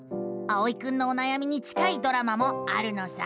あおいくんのおなやみに近いドラマもあるのさ。